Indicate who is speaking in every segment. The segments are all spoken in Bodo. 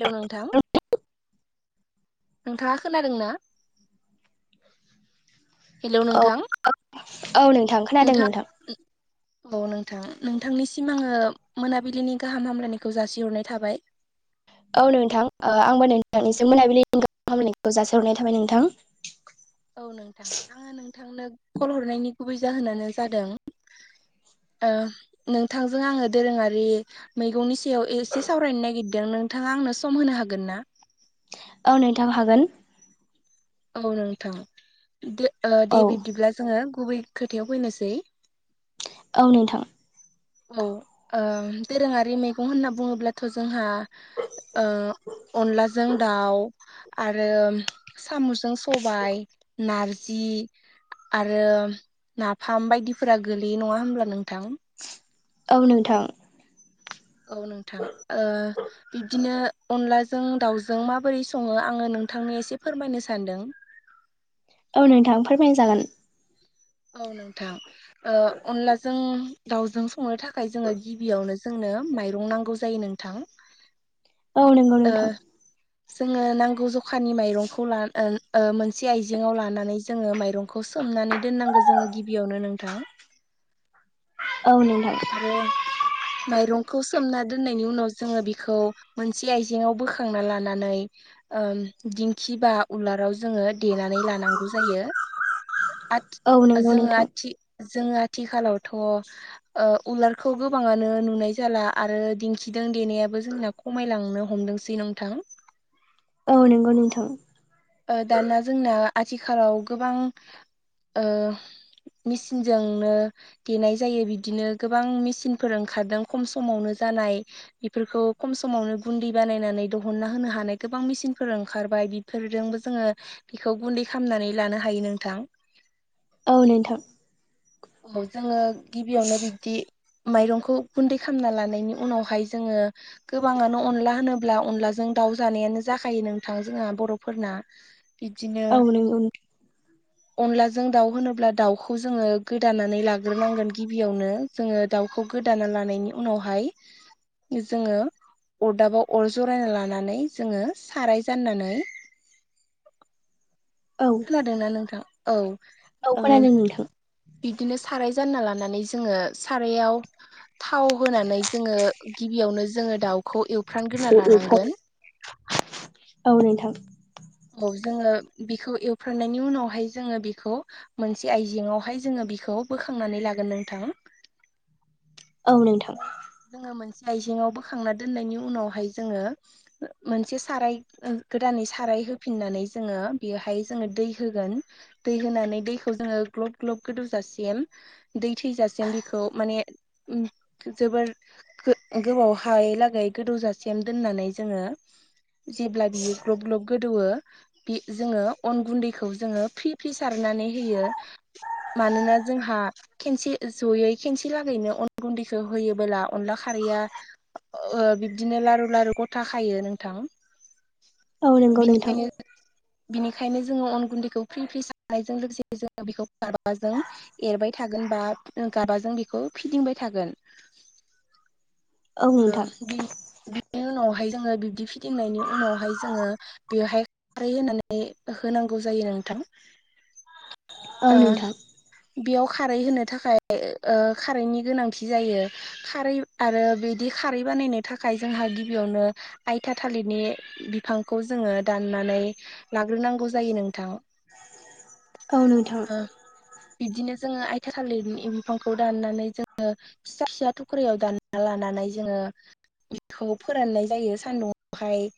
Speaker 1: हेलौ नोंथां नोंथाङा खोनादों ना हेलौ नोंथां
Speaker 2: औ औ नोंथां
Speaker 1: नोंथां [unintelligible] औ नोंथां नोंथांनिसिम आङो मोनाबिलिनि गाहाम हामलायनायखौ जासिहरनाय थाबाय।
Speaker 2: औ नोंथां आंबो नोंथांनिसिम मोनाबिलि गाहाम हामलायनायखौ जासिहरनाय थाबाय नोंथां।
Speaker 1: औ नोंथां आङो नोंथांनो कल हरनायनि गुबै जाहोनानो जादों ओ नोंथांजों आङो दोरोङारि मेगंनि सायाव एसे सावरायनो नागिरदों नोंथाङा आंनो सम होनो हागोन ना?
Speaker 2: औ नोंथा हागोन
Speaker 1: औ नोंथां ओ
Speaker 2: औ
Speaker 1: दे बिब्दिब्ला जोङो गुबै खोथायाव फैनोसै
Speaker 2: औ नोंथां।
Speaker 1: औ ओ दोरोङारि मैगं होनना बुङोब्लाथ' जोंहा अनलाजों दाउ आरो सामुजों सबाय नारजि आरो नाफाम बायदिफोरा गोलैयो नङा होमब्ला नोंथां?
Speaker 2: औ नोंथां
Speaker 1: औ नोंथां ओ बिब्दिनो अनलाजों दाउजों माबोरै सङो आङो नोंथांनो एसे फोरमायनो सानदों।
Speaker 2: औ नोंथां फोरमाय जागोन
Speaker 1: औ नोंथां ओ अनलाजों दावजों संनो थाखाय जोङो गिबियावनो जोंनो माइरं नांगौ जायो नोंथां।
Speaker 2: औ नंगौ
Speaker 1: ओ
Speaker 2: नोंथां
Speaker 1: जोङो नांगौ जखानि माइरंखौ [unintelligible] लानो मोनसे आइजेंाव लानानै जोङो माइरंखौ सोमनानै दोननांगौ जोङो गिबियावनो नोंथां।
Speaker 2: औ नोंथां
Speaker 1: आरो माइरंखौ सोमना दोननायनि उनाव जोङो बिखौ मोनसे आइजेंङाव बोखांना लानानै दिंखि बा उलाराव जोङो देनानै लानांगौ जायो।
Speaker 2: औ
Speaker 1: आथि
Speaker 2: नंगौ
Speaker 1: जोङो
Speaker 2: नोंथां
Speaker 1: आथि-आथिखालावथ' ओ उलारखौ गोबाङानो नुनाय जाला आरो दिन्थिदों देनायाबो जोंना खमायलांनो हमदोंसै नोंथां।
Speaker 2: औ नोंगौ नोंथां।
Speaker 1: दाना जोंना आथिखालाव गोबां ओ मेसिनजोंनो देनाय जायो बिदिनो गोबां मेचिनफोर ओंखारदों खम समावनो जानाय बेफोरखौ खम समावनो गुन्दै बानायनानै दिहुनना होनो हानाय गोबां मेसिनफोर ओंखारबाय [unintelligible] जोंबो जोङो बेखौ गुन्दै खालामनानै लानो हायो नोंथां।
Speaker 2: औ नोंथां
Speaker 1: औ जोङो गिबियावनो बिबदि माइरंखौ गुन्दै खालामना लानायनि उनावहाय जोङो गोबाङानो अनला होनोब्ला अनलाजों दाउ जानायानो जाखायो नोंथां जोंहा बर' फोरना बिदिनो
Speaker 2: औ नंगौ
Speaker 1: अनलाजों दाउ होनोब्ला दाउखौ जोङो गोदानानै लाग्रोनांगोन गिबियावनो जोङो दाउखौ गोदाना लानायनि उनावहाय जोङो अरदाबाव अर जरायना लानानै जोङो साराय जाननानै
Speaker 2: औ
Speaker 1: खोनादों ना नोंथां औ
Speaker 2: औ
Speaker 1: ओ
Speaker 2: खोनादों नोंथां
Speaker 1: बिदिनो साराय जानना लानानै जोङो सारायाव थाव होनानै जोङो गिबियावनो जोङो दाउ खौ एवफ्राम ग्रोनानै
Speaker 2: औ
Speaker 1: लानांगोन
Speaker 2: नोंथां
Speaker 1: औ जोङो बेखौ एवफ्रामनायनि उनावहाय जोङो बेखौ मोनसे आइजेंआवहाय जोङो बिखौ बोखांनानै लागोन नोंथां
Speaker 2: औ नोंथां
Speaker 1: जोङो मोनसे आइजेंआव बोखांना दोननायनि उनावहाय जोङो मोनसे साराय गोदानै साराय होफिननानै जोङो बेवहाय जोङो दै होगोन दै होनानै दैखौ जोङो ग्लब ग्लब गोदौ जासिम दै थैजासिम बिखौ माने जोबोर गो गोबाव हायै लागै गोदौजासेम दोननानै जोङो जेब्ला बियो ग्लब ग्लब गोदौयो बे जोङो अन गुन्दैखौ जोङो फ्रि फ्रि सारनानै होयो मानोना जोंहा खेनसे जयै खेनसे लागैनो अन गुन्दैखौ होयोबोला अनला खारैया ओ बिब्दिनो लारु लारु गथा खायो नोंथां
Speaker 2: औ नंगौ नोंथां
Speaker 1: बिनिखायनो बिनिखायनो जोङो अन गुन्दैखौ फ्रि फ्रि सारनायजों लोगोसे जोङो बेखौ गारबा जों एरबाय थागोन बा गाबाजों बेखौ फिदिंबाय थागोन
Speaker 2: औ
Speaker 1: ओ
Speaker 2: नोंथां
Speaker 1: बिनि बेनि उनावहाय जोङो बिब्दि फिदिंनायनि उनावहाय जोङो बेवहाय खारै होनानै होनांगौ जायो नोंथां
Speaker 2: औ
Speaker 1: ओ
Speaker 2: नोंथां
Speaker 1: बेयाव खारै होनो थाखाय खारैनि गोनांथि जायो खारै आरो बिदि खारै बानायनो थाखाय जोंहा गिबियावनो आइथा थालिरनि बिफांखौ जोङो दाननानै लाग्रोनांगौ जायो नोंथां ओ
Speaker 2: औ नोंथां
Speaker 1: बिदिनो जोङो आथिया थालिरनि बिफांखौ दाननानै जोङो फिसा फिसा थुख्रायाव दानना लानानै जोङो बेखौ फोराननाय जायो सान्दुंआवहाय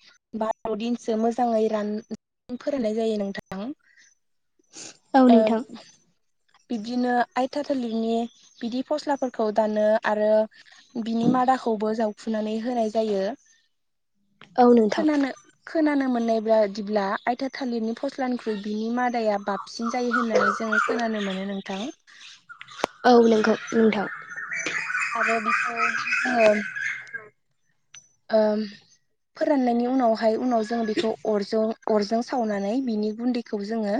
Speaker 1: बार'दिनसो मोजाङै राननानै फोरानाय जायो नोंथां
Speaker 2: औ
Speaker 1: ओं
Speaker 2: नोंथां
Speaker 1: बिदिनो आइथा थालिरनि बिदि फस्लाफोरखौ दानो आरो बिनि मादाखौबो जावखुनानै होनाय जायो खोनानो खोनानो मोननाय बादिब्ला आइथा थालिरनि फस्लानि ख्रुइ बिनि मादाया बाबसिन जायो होननानै जोङो खोनानो मोनो नोंथां
Speaker 2: औ नोंगौ नोंथां
Speaker 1: आरो बिखौ जोङो फोराननायनि उनावहाय उनाव जोङो बेखौ अरजों अरजों सावनानै बिनि गुन्दैखौ जोङो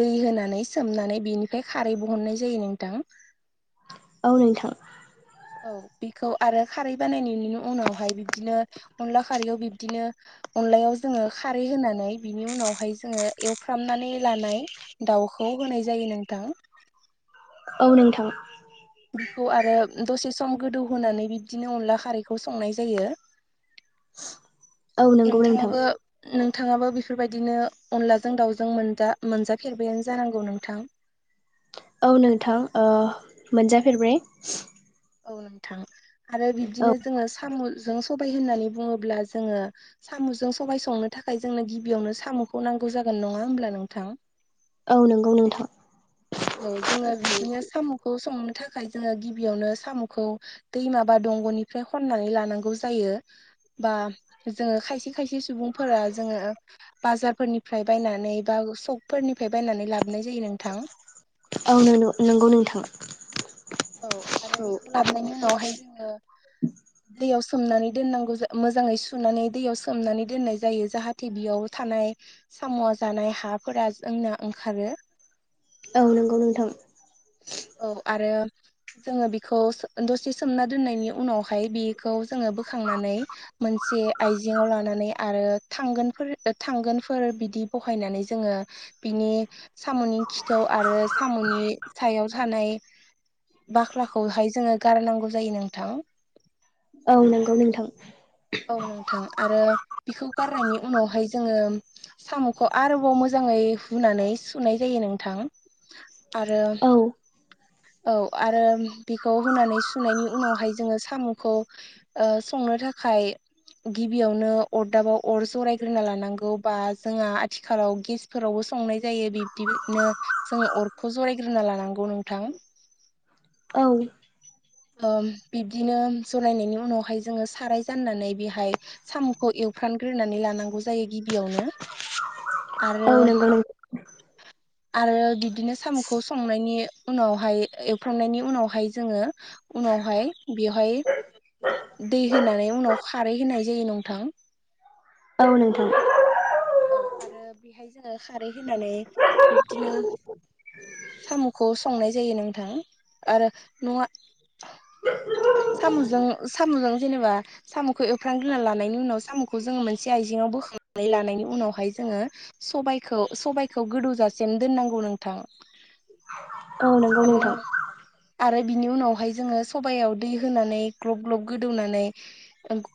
Speaker 1: दै होनानै सोमनानै बेनिफ्राय खारै बहननाय जायो नोंथां
Speaker 2: औ नोंथां
Speaker 1: औ बेखौ आरो खारै बानायनायनि उनावहाय बिब्दिनो अनला खारैयाव बिब्दिनो अनलायाव जोङो खारै होनानै बिनि उनावहाय जोङो एवफ्रामनानै लानाय दाउखौ होनाय जायो नोंथां
Speaker 2: औ नोंथां
Speaker 1: बिखौ आरो दसे सम गोदौहोनानै बिब्दिनो अनला खारैखौ संनाय जायो
Speaker 2: औ नंगौ नोंथां
Speaker 1: नोंथाङाबो नोंथाङाबो बेफोरबायदिनो अनलाजों दाउजों मोनजा मोनजाफेरबायानो जानांगौ नोंथां?
Speaker 2: औ नोंथां मोनजाफेरबाय।
Speaker 1: औ नोंथां आरो
Speaker 2: औ
Speaker 1: बिब्दिनो जोङो सामजों सबाय होननानै बुङोब्ला जोङो। सामजों सबबाय संनो थाखाय जोंनो गिबियावनो सामखौ नांगौ जागोन नङा होमब्ला नोंथां।
Speaker 2: औ नंगौ नोंथां।
Speaker 1: औ जोङो बिदिनो सामखौ संनो थाखाय जोङो गिबियावनो सामखौ। दैमाबा दंगनिफ्राय खननानै लानांगौ जायो बा जोङो खायसे खायसे सुबुंफोरा जोङो। बाजारफोरनिफ्राय बायनानै बा शकफोरनिफ्राय बायनानै लाबोनाय जायो नोंथां।
Speaker 2: औ नो नंगौ नोंथां।
Speaker 1: औ आरो
Speaker 2: औ
Speaker 1: बेखौ लाबोनायनि उनावहाय जोङो। दैयाव सोमनानै दोननांगौ मोजाङै सुनानै दैयाव सोमनानै दोननाय जायो जाहाथे जाथे बेयाव थानाय सामवा जानाय हाफोरा जोंना ओंखारो।
Speaker 2: औ नंगौ नोंथां।
Speaker 1: औ आरो जोङो बेखौ दसे सोमना दोननायनि उनावहाय बे खौ जोङो बोखनानै मोनसे आयजेङाव लानानै। आरो थांगोनफोर थांगोनफोर बिदि बहायनानै जोङो बिनि। सामनि खिथाव आरो सामनि सायाव थानाय बाख्लाखौहाय जोङो गारनांगौ जायो नोंथां।
Speaker 2: औ नंगौ नोंथां।
Speaker 1: औ नोंथां आरो बिखौ गारनायनि उनावहाय जोङो। सामखौ आरोबाव मोजाङै हुनानै सुनाय जायो नोंथां। आरो
Speaker 2: औ
Speaker 1: औ आरो बेखौ होनानै सुनायनि उनावहाय जोङो सामखौ। ओ-संनो थाखाय। गिबियावनो अरदाबाव अर जरायग्रोना लानांगौ बा जोंहा आथिखालाव गेस फोरावबो संनाय जायो बिब्दिनो जोङो अरखौ जरायग्रोना लानांगौ नोंथां।
Speaker 2: औ
Speaker 1: ओम-बिब्दिनो जरायनायनि उनावहाय जोङो साराय जाननानै बेहाय। सामखौ एवफ्रानग्रोनानै लानांगौ जायो गिबियावनो। आरो
Speaker 2: औ नंगौ नोंथां
Speaker 1: आरो बिदिनो सामखौ संनायनि उनावहाय एवफ्रामनायनि उनावहाय जोङो। उनावहाय बेवहाय। दै होनानै उनाव खारै होनाय जायो नं थां
Speaker 2: औ नोंथां।
Speaker 1: औ आरो बेहाय जोङो खारै होनानै बिब्दिनो। सामखौ संनाय जायो नोंथां आरो नआ सामजों सामजों जेनेबा सामखौ एफ्रांनग्रोना लानायनि उनाव सामखौ जोङो मोनसे आइजेंआव बोखांनानै लानायनि उनाव उनावहाय जोङो सखौ सबाइखौ गोदौजासिम दोननांगौ नोंथां।
Speaker 2: औ नंगौ
Speaker 1: आरो
Speaker 2: नोंथां
Speaker 1: आरो बिनि उनावहाय जोङो सबायाव दै होनानै ग्लब ग्लब गोदौनानै।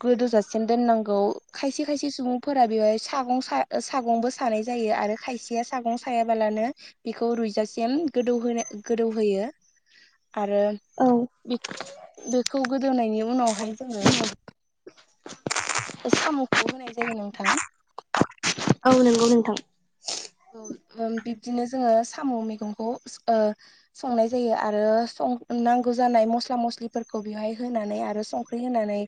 Speaker 1: गोदौ जासिम दोननांगौ खायसे खायसे सुबुंफोरा बेवहाय सगं खा सागंबो सानाय जायो आरो खायसेया सागं सायाबालानो। बेखौ रुइजासिम गोदौहो गोदौहोयो। आरो
Speaker 2: औ
Speaker 1: बेख बेखौ गोदोनायनि उनावहाय जोङो। सामखौ होनाय जायो नोंथां।
Speaker 2: औ नंगौ नोंथां।
Speaker 1: औ बिब्दिनो जोङो साम मैगंखौ ओ संनाय जायो आरों सं‌ नांगौ जानाय मस्ला मस्लिफोरखौ बेवहाय होनानै आरो सं खारै होनानै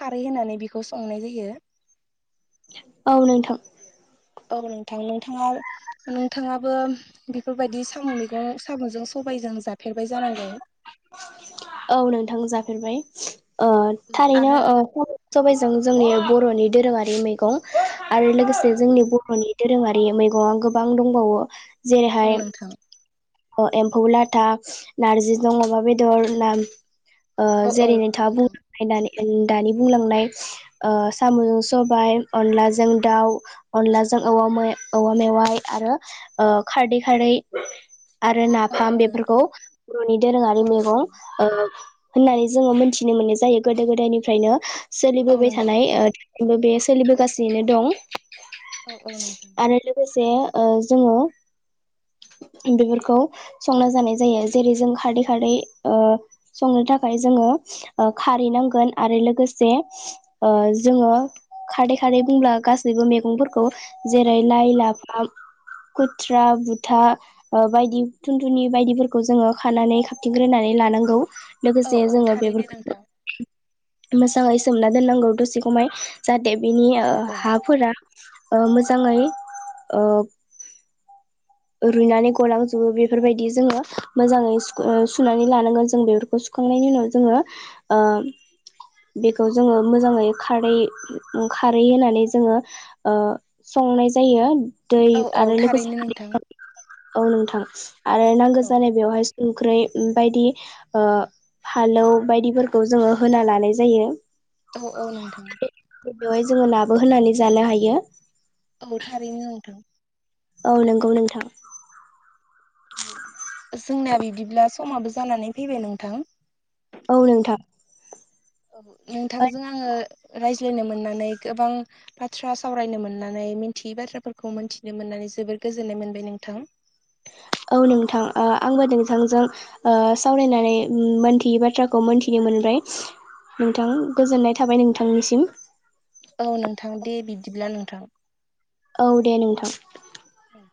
Speaker 1: खारै होनानै बेखौ संनाय जायो।
Speaker 2: औ नोंथां
Speaker 1: औ नोंथां नोंथाङा नोंथाङाबो बेफोरबायदि साम' मैगं साम'जों सबायजों जाफेरबाय जानांगौ।
Speaker 2: औ नोंथां जाफेरबाय ओ थारैनो
Speaker 1: आरो
Speaker 2: ओ सबायाइजों जोंनि बर'नि दोरोङारि मैगं आरो लोगोसे जोंनि बर'नि दोरोङारि मैगङा गोबां दंबावो
Speaker 1: औ
Speaker 2: जेरैहाय
Speaker 1: नोंथां
Speaker 2: अ एम्फौ लाथा नारजि जों अमा बेदर ना ओ
Speaker 1: औ औ
Speaker 2: जेरै नोंथाङा
Speaker 1: नोंथां
Speaker 2: बुंलांनाय दानि बुंलांनाय साम'जों सबाय अनलाजों दाउ अनलाजों औ औवा मेवाइ आरो खारदै खारै आरो
Speaker 1: औ औ
Speaker 2: नाफाम
Speaker 1: नोंथां
Speaker 2: बेफोरखौ बर'नि दोरोङारि
Speaker 1: औ
Speaker 2: मैगं।
Speaker 1: नोंथां
Speaker 2: होननानै जोंङो मोनथिनो मोननाय जायो गोदो गोदायनिफ्रायनो
Speaker 1: औ
Speaker 2: सोलिबोबाय
Speaker 1: नोंथां
Speaker 2: थानाय ओ बे सोलिबोगासिनो दं।
Speaker 1: औ औ नोंथां
Speaker 2: आरो लोगोसे जोंङो बेफोरखौ संना जानाय जायो जेरै जों खारदै खारदै ओ संनो थाखाय जोंङो ओ खारै नांगोन आरो लोगोसे जोंङो खारदै खारदै बुंब्ला गासैबो मैगंफोरखौ जेरै लाइ लाफा खुथ्रा बुथा ओ बायदि थुनथुनि बायदिफोरखौ जोंङो खानानै खाबथिग्रोनानै लानांगौ
Speaker 1: औ
Speaker 2: लोगोसे
Speaker 1: औ
Speaker 2: जोंङो
Speaker 1: थारैनो
Speaker 2: बेफोरखौ
Speaker 1: नोंथां
Speaker 2: मोजाङै सोमना दोननांगौ दसे खमाय जाहाथे बिनि
Speaker 1: औ औ
Speaker 2: हाफोरा ओ मोजाङै ओ रुइनानै गलांजोबो बेफोरबायदि जोंङो मोजाङै सुओ सुनानै लानांगोन जों बे सुखांनायनि उनाव जोंङो ओ बेखौ जोंङो मोजाङै खारै खारै होनानै जोंङो ओ संनाय जायो दै
Speaker 1: औ औ
Speaker 2: आरो लोगोसे
Speaker 1: थारैनो
Speaker 2: खारै।
Speaker 1: नोंथां
Speaker 2: औ नोंथां आरो नांगौ
Speaker 1: औ
Speaker 2: जानाय बेवहाय संख्रै बायदि ओ फालौ बायदिफोरखौ जोंङो होना लानाय जायो।
Speaker 1: औ औ नोंथां।
Speaker 2: बेवहाय जोंङो नाबो होनानै जानो हायो।
Speaker 1: औ थारैनो नोंथां।
Speaker 2: औ नंगौ नोंथां।
Speaker 1: जोंना बिदिब्ला समाबो जानानै फैबाय नोंथां
Speaker 2: औ नोंथां।
Speaker 1: औ नोंथांजों आङो रायज्लायनो मोननानै गोबां बाथ्रा सावरायनो मोननानै मिन्थियै बाथ्राफोरखौ मोनथिनो मोननानै जोबोर गोजोननाय मोनबाय नोंथां।
Speaker 2: औ नोंथां आंबो नोंथांजों ओ सावरायनानै मोनथियै बाथ्राखौ मोनथिनो मोनबाय। नोंथां गोजोननाय थाबाय नोंथांनिसिम।
Speaker 1: औ नोंथां दे बिदिब्ला नोंथां।
Speaker 2: औ दे नोंथां
Speaker 1: औ